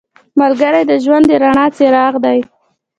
ملګری د ژوند د رڼا څراغ دی